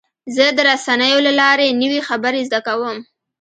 زه د رسنیو له لارې نوې خبرې زده کوم.